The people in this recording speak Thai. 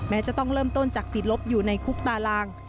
จะต้องเริ่มต้นจากติดลบอยู่ในคุกตาราง